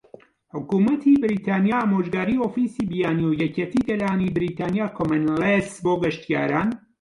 حکومەتی بەریتانیا، - ئامۆژگاری ئۆفیسی بیانی و یەکێتی گەلانی بەریتانیا کۆمونیڵس بۆ گەشتیاران